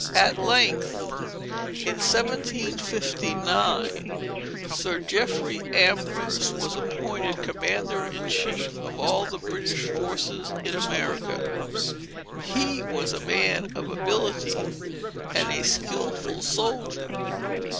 At length, in 1759, Sir Jeffrey Amherst was appointed commander in chief of all the British forces in America. He was a man of ability, and a skilful soldier.